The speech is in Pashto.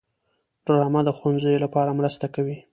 ډرامه د ښوونځیو لپاره مرسته کوي